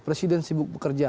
presiden sibuk bekerja